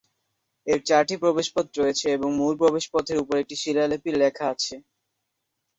এর চারটি প্রবেশপথ রয়েছে এবং মূল প্রবেশপথের উপরে একটি শিলালিপি লেখা আছে।